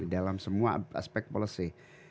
dalam semua aspek policy